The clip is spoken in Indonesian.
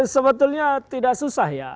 sebetulnya tidak susah ya